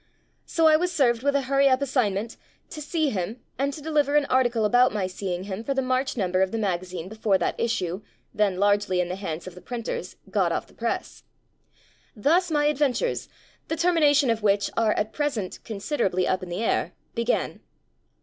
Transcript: So I was served with a hurry up as signment to see him and to deliver an article about my seeing him for the March number of the magazine before that issue (then largely in the hands of the printers) got off the press. Thus my adventures, the termination of which are at present considerably up in the air, began.